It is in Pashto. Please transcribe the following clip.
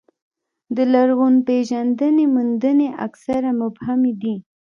د لرغونپېژندنې موندنې اکثره مبهمې دي.